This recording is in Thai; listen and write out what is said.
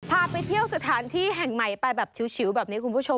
พาไปเที่ยวสถานที่แห่งใหม่ไปแบบชิวแบบนี้คุณผู้ชม